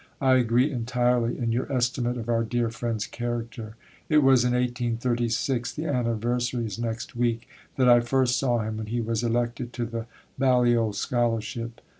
I agree entirely in your estimate of our dear friend's character. It was in 1836 (the anniversary is next week) that I first saw him when he was elected to the Balliol Scholarship.